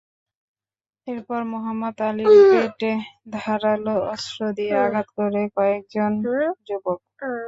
এরপর মোহাম্মদ আলীর পেটে ধারালো অস্ত্র দিয়ে আঘাত করে কয়েকজন যুবক।